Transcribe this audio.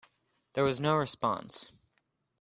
There was no response.